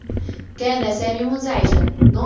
كان سامي منزعجا.